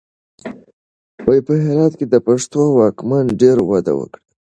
په هرات کې د پښتنو واکمنۍ ډېره وده وکړه.